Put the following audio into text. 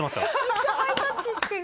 めっちゃハイタッチしてる。